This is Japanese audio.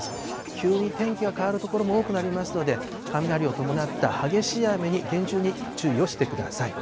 急に天気が変わる所も多くなりますので、雷を伴った激しい雨に厳重に注意をしてください。